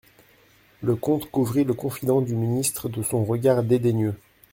Le comte couvrit le confident du ministre de son regard dédaigneux.